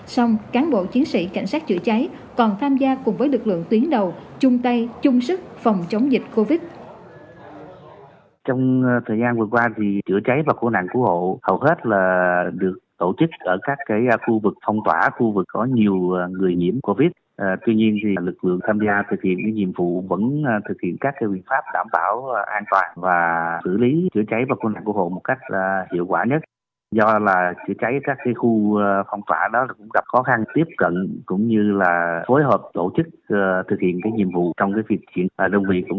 xong cán bộ chiến sĩ cảnh sát chữa cháy còn tham gia cùng với lực lượng tuyến đầu chung tay chung sức phòng chống dịch covid